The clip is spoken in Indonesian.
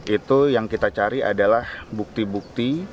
itu yang kita cari adalah bukti bukti